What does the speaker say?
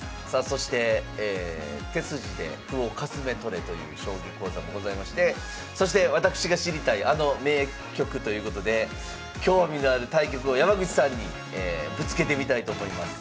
そして「手筋で歩をかすめ取れ！」という将棋講座もございましてそしてわたくしが知りたいあの名局ということで興味のある対局を山口さんにぶつけてみたいと思います。